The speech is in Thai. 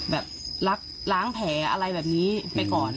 แบบรักล้างแผลอะไรแบบนี้ไปก่อน